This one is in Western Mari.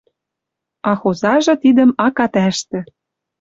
А хозажы тидӹм акат ӓштӹ